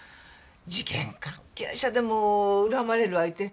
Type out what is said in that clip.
事件関係者でも恨まれる相手思いつかない。